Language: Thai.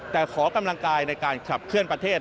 แต่ขอกำลังกายในการขับเคลื่อนประเทศ